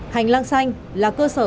hành lang xanh là cơ sở